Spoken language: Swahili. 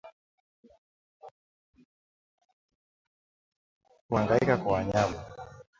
Kuhangaika kwa wanyama